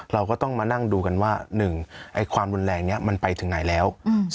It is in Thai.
เราก็ต้องมานั่งดูกันว่า๑ความรุนแรงนี้มันไปถึงไหนแล้ว